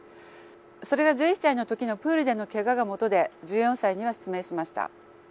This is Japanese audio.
それが１１歳の時のプールでのケガがもとで１４歳には失明しました。